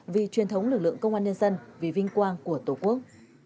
vì truyền thống lực lượng công an nhân dân vì vinh quang của tổ quốc